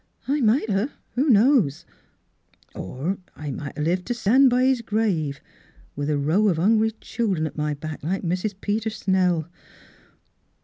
I might 'a', who knows. Or I might 'a' lived t' stan' b' his grave with a row of hungry children at my back, like Mrs. Peter Snell.